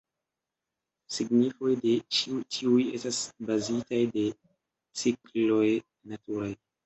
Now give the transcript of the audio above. Signifoj de ĉi tiuj estas bazitaj de cikloj naturaj.